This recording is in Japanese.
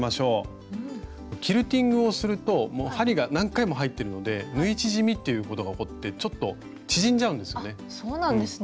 キルティングをするともう針が何回も入ってるので縫い縮みっていうことが起こってちょっと縮んじゃうんですよね。